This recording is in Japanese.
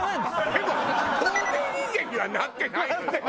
でも透明人間にはなってないのよ？